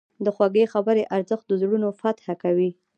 د خوږې خبرې ارزښت د زړونو فتح کوي.